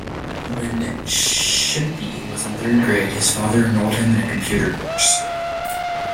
When Shimpi was in third grade, his father enrolled him in a computer course.